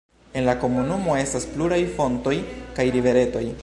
En la komunumo estas pluraj fontoj kaj riveretoj.